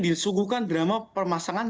disuguhkan drama permasangan